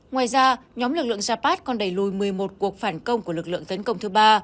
ngoài ra nhóm lực lượng japat còn đẩy lùi một mươi một cuộc phản công của lực lượng tấn công thứ ba